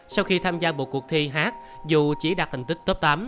sau khi tham gia một cuộc thi hát dù chỉ đạt thành tích top tám